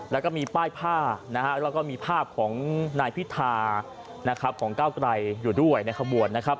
แล้วก็มีป้ายผ้าแล้วก็มีภาพของนายพิธาของก้าวไกรอยู่ด้วยในขบวน